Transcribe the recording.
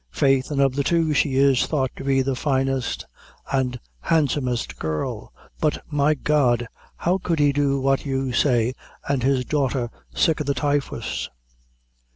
"Faith, an' of the two she is thought to be the finest an' handsomest girl; but, my God! how could he do what you say, an' his daughter sick o' the typhus?"